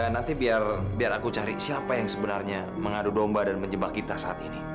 nanti biar aku cari siapa yang sebenarnya mengadu domba dan menjebak kita saat ini